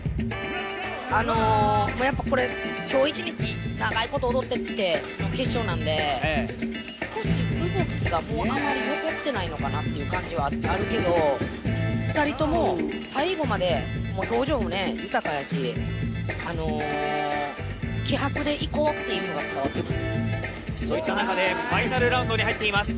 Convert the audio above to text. やっぱこれ、あの１日長いこと踊ってきて決勝なんで少し動きがあまり残ってないのかなっていう感じがあるけど２人とも最後まで表情も豊かやし気迫でいこうっていうのが伝わってくるそういった中でファイナルラウンドに入っています。